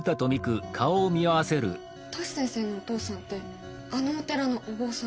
トシ先生のお父さんってあのお寺のお坊さん？